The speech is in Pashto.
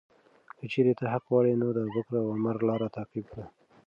که چیرې ته حق غواړې، نو د ابوبکر او عمر لاره تعقیب کړه.